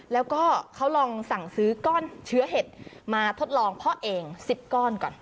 แล้วก็เขาลองสั่งซื้อก้อนเชื้อเห็ดมาทดลองเพาะเอง๑๐ก้อนก่อน